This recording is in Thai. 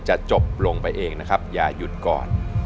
จะจบลงไปเองนะครับอย่าหยุดก่อน